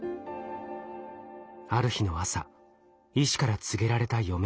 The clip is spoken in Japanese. ある日の朝医師から告げられた余命。